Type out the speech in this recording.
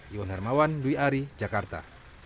iwan hermawan dwi ari jakarta